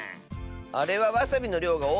あれはわさびのりょうがおおすぎたの。